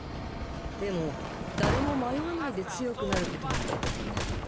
でも誰も迷わないで強くなることなんかできない。